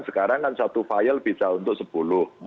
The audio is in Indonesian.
sekarang kan satu file bisa untuk sepuluh